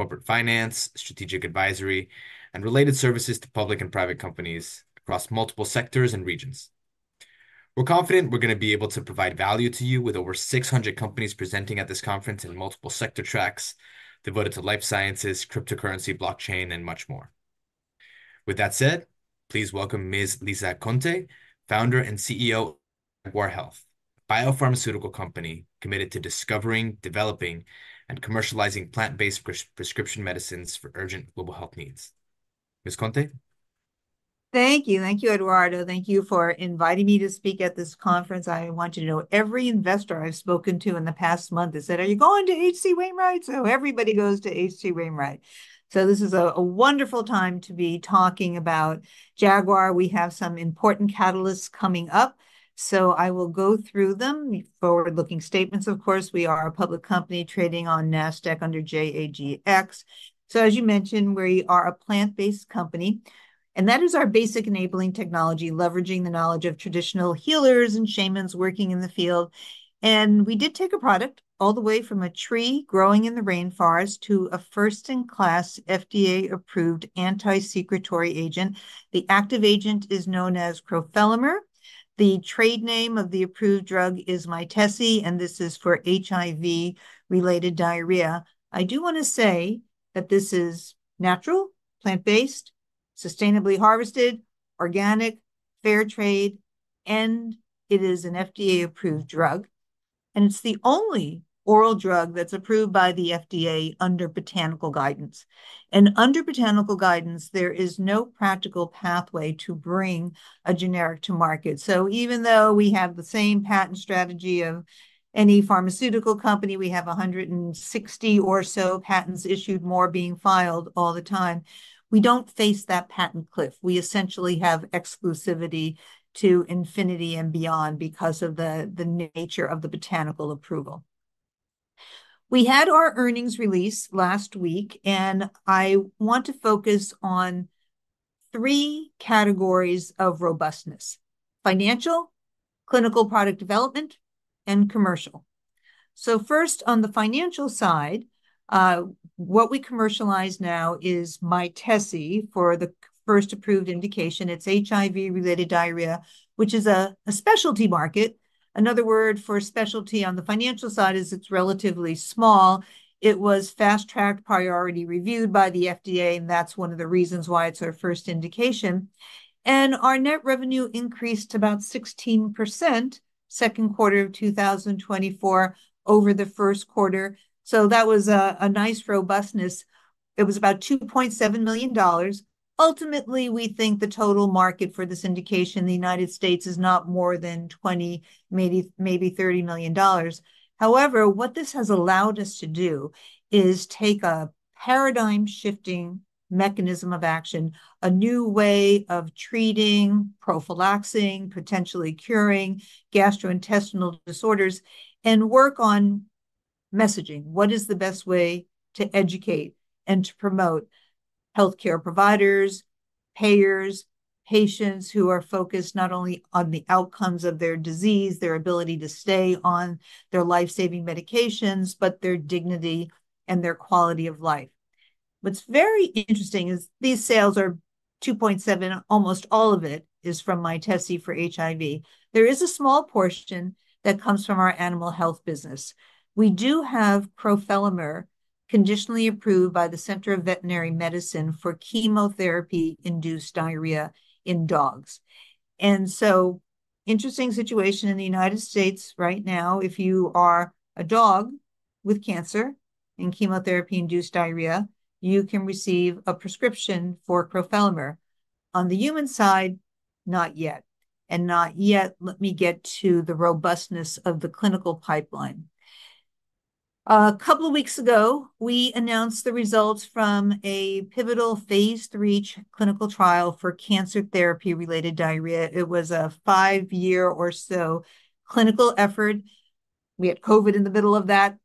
Corporate finance, strategic advisory, and related services to public and private companies across multiple sectors and regions. We're confident we're gonna be able to provide value to you with over 600 companies presenting at this conference in multiple sector tracks devoted to life sciences, cryptocurrency, blockchain, and much more. With that said, please welcome Ms. Lisa Conte, founder and CEO of Jaguar Health, a biopharmaceutical company committed to discovering, developing, and commercializing plant-based prescription medicines for urgent global health needs. Ms. Conte? Thank you. Thank you, Eduardo. Thank you for inviting me to speak at this conference. I want you to know, every investor I've spoken to in the past month has said, "Are you going to H.C. Wainwright?" So everybody goes to H.C. Wainwright. So this is a wonderful time to be talking about Jaguar. We have some important catalysts coming up, so I will go through them. Forward-looking statements, of course, we are a public company trading on Nasdaq under JAGX. So as you mentioned, we are a plant-based company, and that is our basic enabling technology, leveraging the knowledge of traditional healers and shamans working in the field. And we did take a product all the way from a tree growing in the rainforest to a first-in-class, FDA-approved anti-secretory agent. The active agent is known as Crofelemer. The trade name of the approved drug is Mytesi, and this is for HIV-related diarrhea. I do wanna say that this is natural, plant-based, sustainably harvested, organic, fair trade, and it is an FDA-approved drug, and it's the only oral drug that's approved by the FDA under botanical guidance. Under botanical guidance, there is no practical pathway to bring a generic to market. Even though we have the same patent strategy of any pharmaceutical company, we have a hundred and sixty or so patents issued, more being filed all the time, we don't face that patent cliff. We essentially have exclusivity to infinity and beyond because of the nature of the botanical approval. We had our earnings release last week, and I want to focus on three categories of robustness: financial, clinical product development, and commercial. So first, on the financial side, what we commercialize now is Mytesi for the first approved indication. It's HIV-related diarrhea, which is a specialty market. Another word for specialty on the financial side is it's relatively small. It was fast-tracked, priority reviewed by the FDA, and that's one of the reasons why it's our first indication. And our net revenue increased about 16%, second quarter of two thousand and twenty-four, over the first quarter, so that was a nice robustness. It was about $2.7 million. Ultimately, we think the total market for this indication in the United States is not more than $20 million-$30 million. However, what this has allowed us to do is take a paradigm-shifting mechanism of action, a new way of treating, prophylaxing, potentially curing gastrointestinal disorders, and work on messaging. What is the best way to educate and to promote healthcare providers, payers, patients who are focused not only on the outcomes of their disease, their ability to stay on their life-saving medications, but their dignity and their quality of life? What's very interesting is these sales are $2.7 million... Almost all of it is from Mytesi for HIV. There is a small portion that comes from our animal health business. We do have Crofelemer conditionally approved by the Center for Veterinary Medicine for chemotherapy-induced diarrhea in dogs. And so, interesting situation in the United States right now, if you are a dog with cancer and chemotherapy-induced diarrhea, you can receive a prescription for Crofelemer. On the human side, not yet, and not yet. Let me get to the robustness of the clinical pipeline. A couple of weeks ago, we announced the results from a pivotal phase III clinical trial for cancer therapy-related diarrhea. It was a five-year or so clinical effort. We had COVID in the middle of that,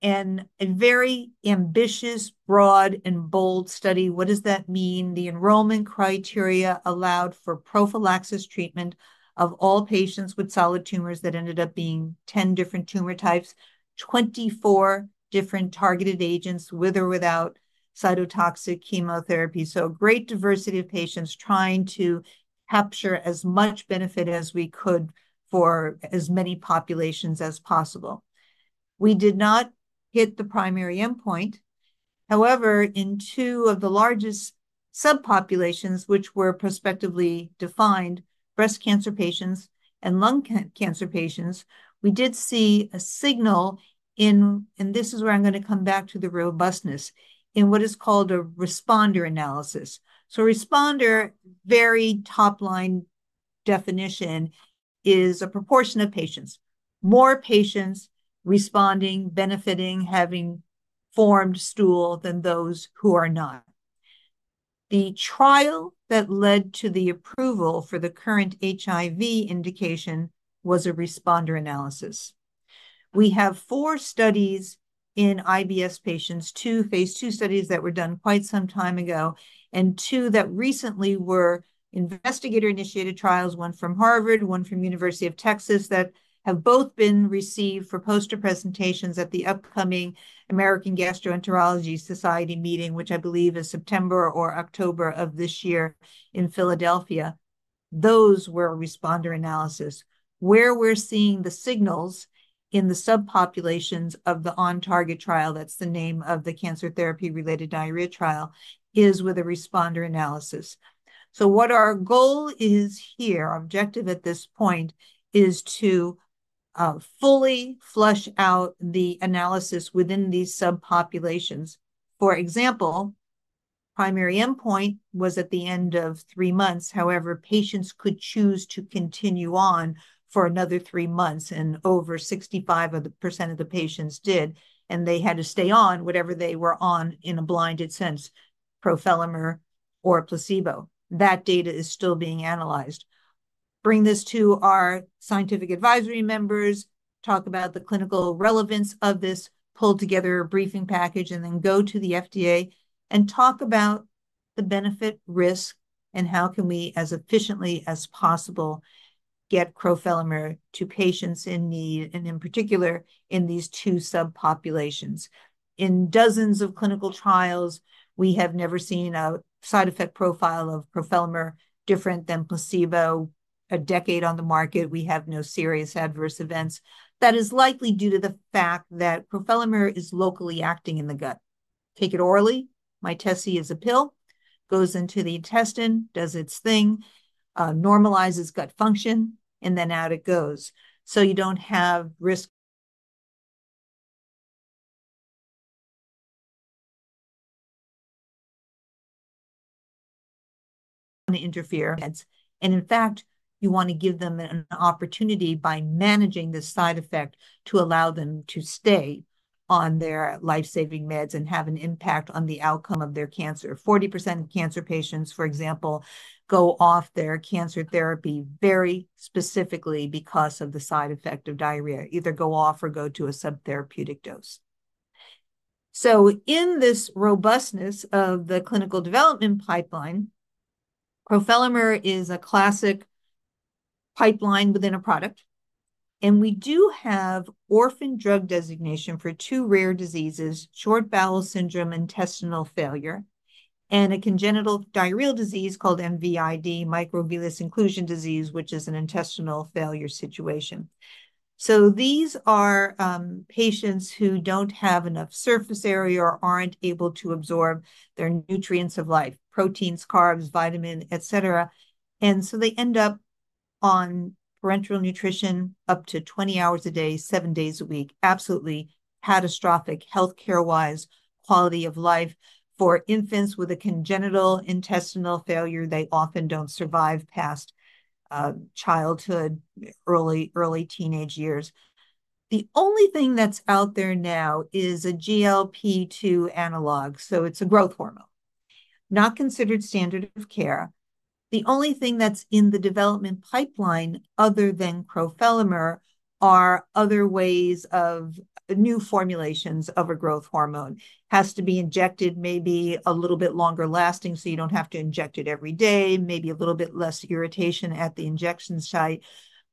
and a very ambitious, broad, and bold study. What does that mean? The enrollment criteria allowed for prophylaxis treatment of all patients with solid tumors. That ended up being 10 different tumor types, 24 different targeted agents, with or without cytotoxic chemotherapy. So a great diversity of patients trying to capture as much benefit as we could for as many populations as possible. We did not hit the primary endpoint. However, in two of the largest subpopulations, which were prospectively defined, breast cancer patients and lung cancer patients, we did see a signal in... And this is where I'm gonna come back to the robustness, in what is called a responder analysis. Responder, very top-line definition, is a proportion of patients, more patients responding, benefiting, having formed stool than those who are not. The trial that led to the approval for the current HIV indication was a responder analysis. We have four studies in IBS patients, two phase two studies that were done quite some time ago, and two that recently were investigator-initiated trials, one from Harvard University, one from University of Texas, that have both been received for poster presentations at the upcoming American College of Gastroenterology meeting, which I believe is September or October of this year in Philadelphia. Those were responder analysis. Where we're seeing the signals in the subpopulations of the OnTarget trial, that's the name of the cancer therapy-related diarrhea trial, is with a responder analysis. So what our goal is here, our objective at this point, is to fully flesh out the analysis within these subpopulations. For example, primary endpoint was at the end of three months. However, patients could choose to continue on for another three months, and over 65% of the patients did, and they had to stay on whatever they were on in a blinded sense, Crofelemer or placebo. That data is still being analyzed. Bring this to our scientific advisory members, talk about the clinical relevance of this, pull together a briefing package, and then go to the FDA and talk about the benefit, risk, and how can we, as efficiently as possible, get Crofelemer to patients in need, and in particular, in these two subpopulations. In dozens of clinical trials, we have never seen a side effect profile of Crofelemer different than placebo. A decade on the market, we have no serious adverse events. That is likely due to the fact that Crofelemer is locally acting in the gut. Take it orally, Mytesi is a pill, goes into the intestine, does its thing, normalizes gut function, and then out it goes. So you don't have risk to interfere with meds, and in fact, you wanna give them an opportunity by managing the side effect to allow them to stay on their life-saving meds and have an impact on the outcome of their cancer. 40% of cancer patients, for example, go off their cancer therapy very specifically because of the side effect of diarrhea, either go off or go to a subtherapeutic dose. So in this robustness of the clinical development pipeline, Crofelemer is a classic pipeline within a product, and we do have orphan drug designation for two rare diseases, short bowel syndrome, intestinal failure, and a congenital diarrheal disease called MVID, microvillus inclusion disease, which is an intestinal failure situation. So these are patients who don't have enough surface area or aren't able to absorb their nutrients of life, proteins, carbs, vitamin, et cetera. And so they end up on parenteral nutrition up to 20 hours a day, 7 days a week. Absolutely catastrophic health care-wise, quality of life. For infants with a congenital intestinal failure, they often don't survive past childhood, early teenage years. The only thing that's out there now is a GLP-2 analog, so it's a growth hormone, not considered standard of care. The only thing that's in the development pipeline other than Crofelemer are other ways of new formulations of a growth hormone. Has to be injected, maybe a little bit longer lasting, so you don't have to inject it every day, maybe a little bit less irritation at the injection site,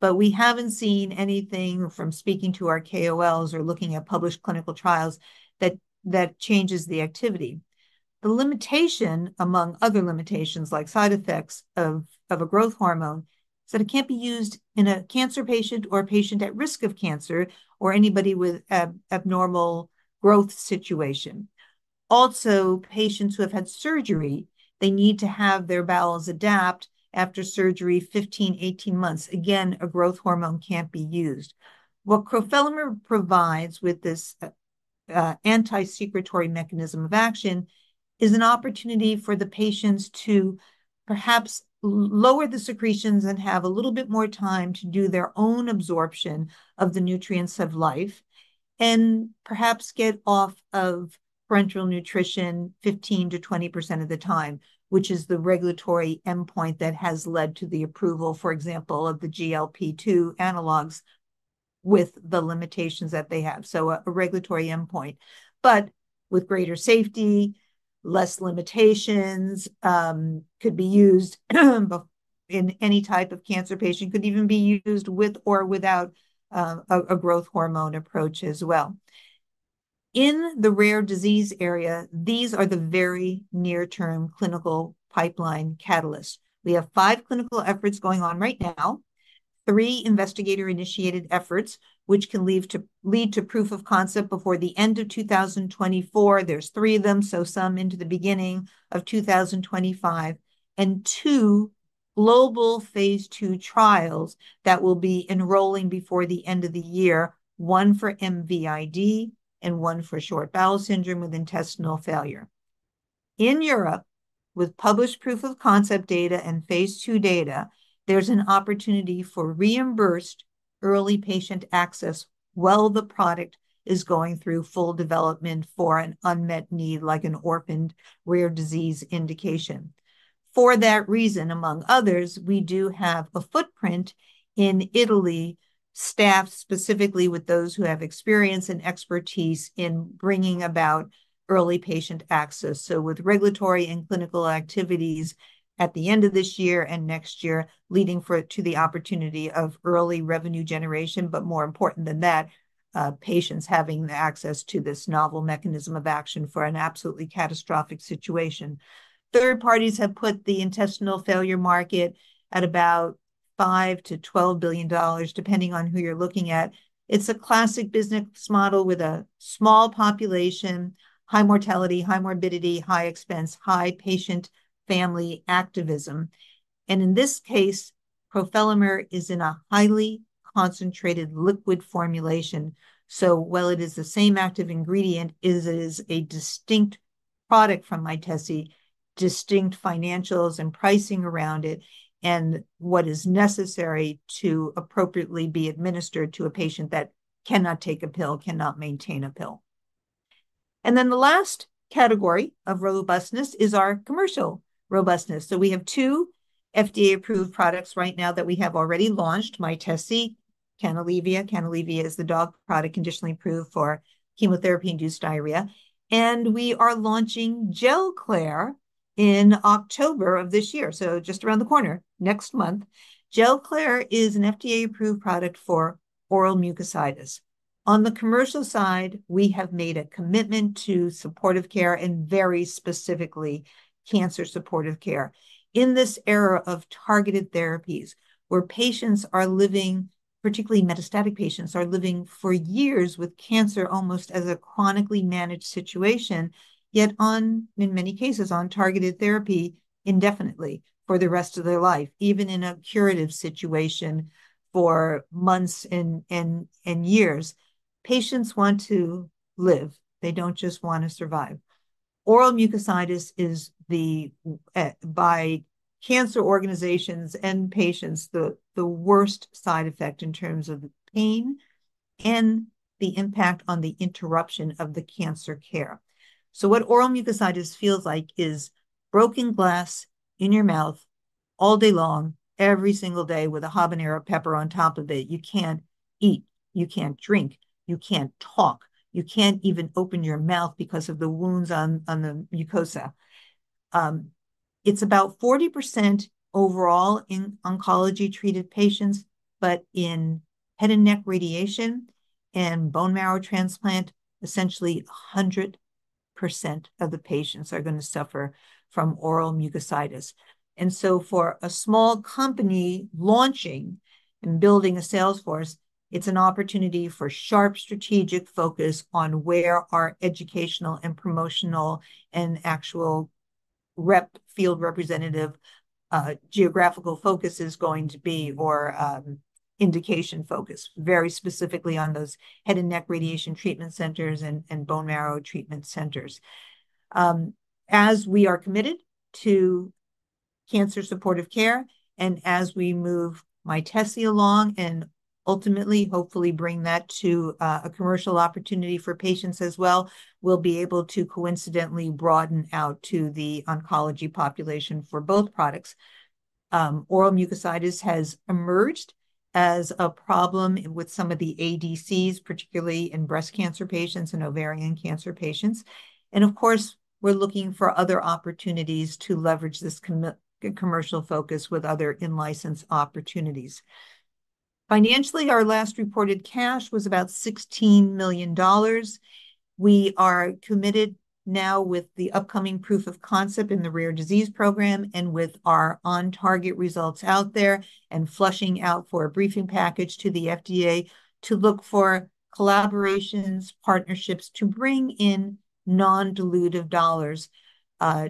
but we haven't seen anything from speaking to our KOLs or looking at published clinical trials that changes the activity. The limitation, among other limitations, like side effects of a growth hormone, is that it can't be used in a cancer patient or a patient at risk of cancer or anybody with abnormal growth situation. Also, patients who have had surgery, they need to have their bowels adapt after surgery, 15-18 months. Again, a growth hormone can't be used. What Crofelemer provides with this anti-secretory mechanism of action is an opportunity for the patients to perhaps lower the secretions and have a little bit more time to do their own absorption of the nutrients of life and perhaps get off of parenteral nutrition 15%-20% of the time, which is the regulatory endpoint that has led to the approval, for example, of the GLP-2 analogs with the limitations that they have, so a regulatory endpoint. But with greater safety, less limitations, could be used in any type of cancer patient, could even be used with or without a growth hormone approach as well. In the rare disease area, these are the very near-term clinical pipeline catalysts. We have five clinical efforts going on right now, three investigator-initiated efforts, which lead to proof of concept before the end of two thousand and twenty-four. There's three of them, so some into the beginning of two thousand and twenty-five, and two global phase 2 trials that will be enrolling before the end of the year, one for MVID and one for short bowel syndrome with intestinal failure. In Europe, with published proof of concept data and phase 2 data, there's an opportunity for reimbursed early patient access while the product is going through full development for an unmet need, like an orphaned rare disease indication. For that reason, among others, we do have a footprint in Italy, staffed specifically with those who have experience and expertise in bringing about early patient access. So with regulatory and clinical activities at the end of this year and next year, leading to the opportunity of early revenue generation, but more important than that, patients having the access to this novel mechanism of action for an absolutely catastrophic situation. Third parties have put the intestinal failure market at about $5 billion-$12 billion, depending on who you're looking at. It's a classic business model with a small population, high mortality, high morbidity, high expense, high patient family activism. And in this case, Crofelemer is in a highly concentrated liquid formulation. So while it is the same active ingredient, it is a distinct product from Mytesi, distinct financials and pricing around it, and what is necessary to appropriately be administered to a patient that cannot take a pill, cannot maintain a pill. And then the last category of robustness is our commercial robustness. So we have two FDA-approved products right now that we have already launched, Mytesi, Canalevia. Canalevia is the dog product conditionally approved for chemotherapy-induced diarrhea. And we are launching Gelclair in October of this year, so just around the corner, next month. Gelclair is an FDA-approved product for Oral mucositis. On the commercial side, we have made a commitment to supportive care, and very specifically, cancer supportive care. In this era of targeted therapies, where patients are living, particularly metastatic patients, are living for years with cancer, almost as a chronically managed situation, yet on, in many cases, on targeted therapy indefinitely for the rest of their life, even in a curative situation for months and, and, and years. Patients want to live. They don't just want to survive. Oral mucositis is the by cancer organizations and patients, the worst side effect in terms of the pain and the impact on the interruption of the cancer care. So what Oral mucositis feels like is broken glass in your mouth all day long, every single day with a habanero pepper on top of it. You can't eat, you can't drink, you can't talk, you can't even open your mouth because of the wounds on the mucosa. It's about 40% overall in oncology-treated patients, but in head and neck radiation and bone marrow transplant, essentially 100% of the patients are gonna suffer from Oral mucositis. And so for a small company launching and building a sales force, it's an opportunity for sharp strategic focus on where our educational and promotional and actual rep, field representative, geographical focus is going to be, or indication focus, very specifically on those head and neck radiation treatment centers and bone marrow treatment centers. As we are committed to cancer supportive care, and as we move Mytesi along and ultimately, hopefully bring that to a commercial opportunity for patients as well, we'll be able to coincidentally broaden out to the oncology population for both products. Oral mucositis has emerged as a problem with some of the ADCs, particularly in breast cancer patients and ovarian cancer patients. And of course, we're looking for other opportunities to leverage this commercial focus with other in-license opportunities. Financially, our last reported cash was about $16 million. We are committed now with the upcoming proof of concept in the rare disease program and with our OnTarget results out there, and fleshing out for a briefing package to the FDA to look for collaborations, partnerships, to bring in non-dilutive dollars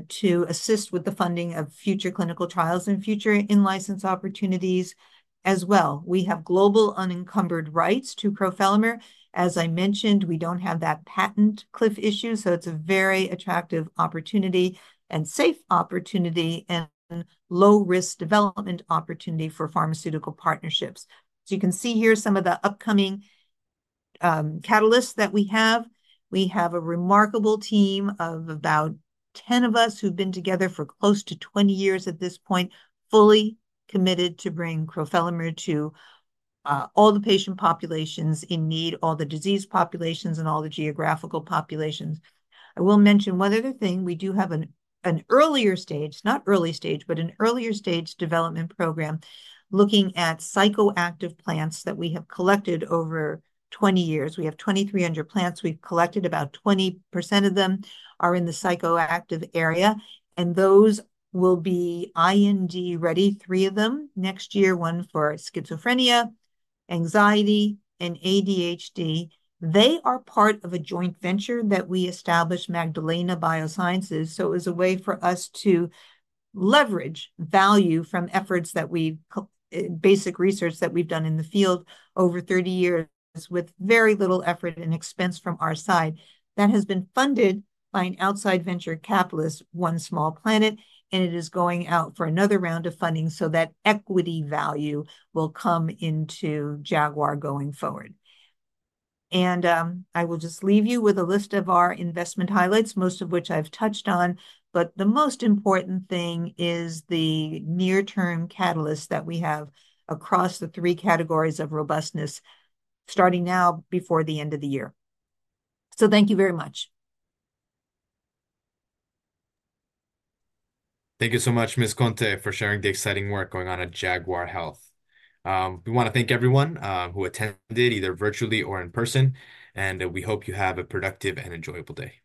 to assist with the funding of future clinical trials and future in-license opportunities as well. We have global unencumbered rights to Crofelemer. As I mentioned, we don't have that patent cliff issue, so it's a very attractive opportunity and safe opportunity and low-risk development opportunity for pharmaceutical partnerships. So you can see here some of the upcoming catalysts that we have. We have a remarkable team of about 10 of us who've been together for close to 20 years at this point, fully committed to bring Crofelemer to all the patient populations in need, all the disease populations, and all the geographical populations. I will mention one other thing. We do have an earlier stage, not early stage, but an earlier stage development program, looking at psychoactive plants that we have collected over twenty years. We have 2,300 plants we've collected. About 20% of them are in the psychoactive area, and those will be IND ready, three of them next year, one for schizophrenia, anxiety, and ADHD. They are part of a joint venture that we established, Magdalena Biosciences, so it was a way for us to leverage value from efforts that we, basic research that we've done in the field over thirty years, with very little effort and expense from our side. That has been funded by an outside venture capitalist, One Small Planet, and it is going out for another round of funding so that equity value will come into Jaguar going forward. I will just leave you with a list of our investment highlights, most of which I've touched on, but the most important thing is the near-term catalysts that we have across the three categories of robustness, starting now before the end of the year. So thank you very much. Thank you so much, Ms. Conte, for sharing the exciting work going on at Jaguar Health. We wanna thank everyone who attended, either virtually or in person, and we hope you have a productive and enjoyable day.